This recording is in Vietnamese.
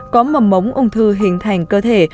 có mầm mống ung thư hình thành cơ thể